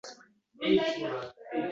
OnlineDoctorUz